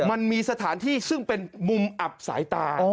มันมีสถานที่ซึ่งเป็นมุมอับสายตา